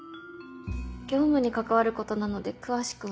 業務に関わることなので詳しくは。